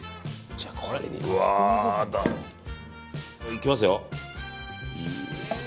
いきますよ。